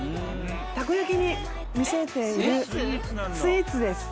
たこ焼きに見せているスイーツです。